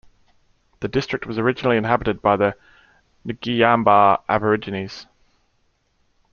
The district was originally inhabited by the Ngiyambaa Aborigines.